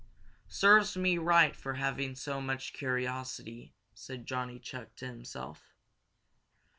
"Serves me right for having so much curiosity," said Johnny Chuck to himself.